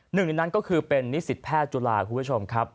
หนึ่งในนั้นก็คือเป็นนิสิตแพทย์จุฬาคุณผู้ชมครับ